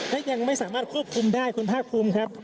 และยังไม่สามารถควบคุมได้คุณภาคภูมิครับ